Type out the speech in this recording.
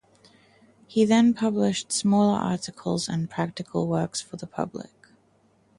He then published smaller articles and practical works for the public.